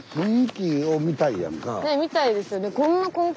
ねえ見たいですよね。